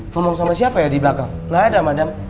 ngomong sama siapa ya di belakang lada madam